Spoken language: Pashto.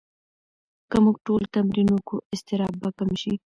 که موږ ټول تمرین وکړو، اضطراب به کم شي.